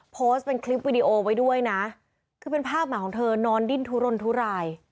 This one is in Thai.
โพสต์เป็นคลิปวิดีโอไว้ด้วยนะคือเป็นภาพหมาของเธอนอนดิ้นทุรนทุราย